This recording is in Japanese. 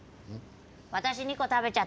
私２個食べちゃった。